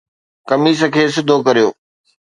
قميص کي سڌو ڪريو